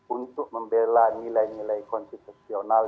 untuk membela nilai nilai konstitusional